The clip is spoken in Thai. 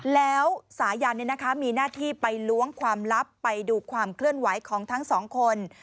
แล้วสายันมีหน้าที่ไปล้วงความลับไปดูความเคลื่อนไหวของทั้งสองคน